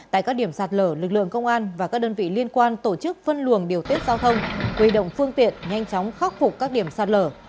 tại các điểm sạt lở lực lượng công an và các đơn vị liên quan tổ chức phân luồng điều tiết giao thông huy động phương tiện nhanh chóng khắc phục các điểm sạt lở